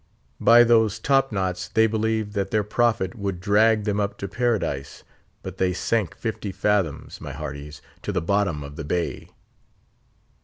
By those top knots they believed that their Prophet would drag them up to Paradise, but they sank fifty fathoms, my hearties, to the bottom of the bay.